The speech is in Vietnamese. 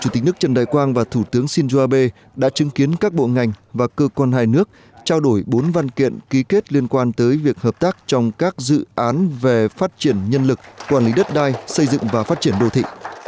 chủ tịch nước trần đại quang và thủ tướng shinzo abe đã chứng kiến các bộ ngành và cơ quan hai nước trao đổi bốn văn kiện ký kết liên quan tới việc hợp tác trong các dự án về phát triển nhân lực quản lý đất đai xây dựng và phát triển đô thị